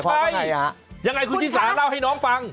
ใช่ยังไงคุณชิสาเล่าให้น้องฟัง